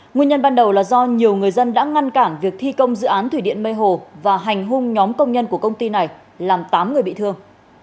nguyên nhân ban đầu là do nhiều người dân đã ngăn cản việc thi công dự án thủy điện mê hồ và hành hung nhóm công nhân của công ty này làm tám người bị thương